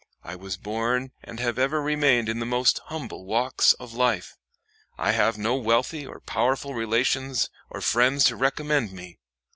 I was born and have ever remained in the most humble walks of life. I have no wealthy or powerful relations or friends to recommend me.